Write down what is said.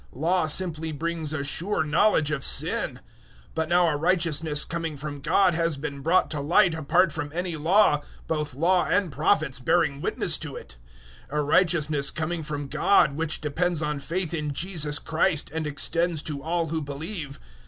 Law simply brings a sure knowledge of sin. 003:021 But now a righteousness coming from God has been brought to light apart from any Law, both Law and Prophets bearing witness to it 003:022 a righteousness coming from God, which depends on faith in Jesus Christ and extends to all who believe.